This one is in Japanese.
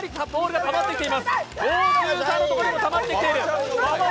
もう中さんのところにもたまってきている。